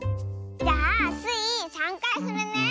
じゃあスイ３かいふるね。